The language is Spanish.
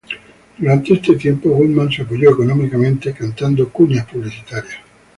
Durante este tiempo Goodman se apoyó económicamente cantando cuñas publicitarias.